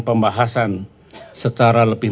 pembahasan secara lebih